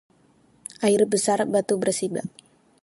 Air besar batu bersibak